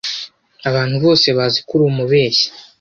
Abantu bose bazi ko uri umubeshyi.